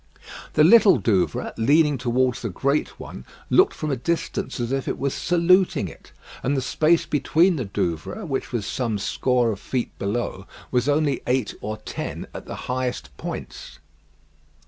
The Little Douvre, leaning towards the great one, looked from a distance as if it was saluting it, and the space between the Douvres, which was some score of feet below, was only eight or ten at the highest points.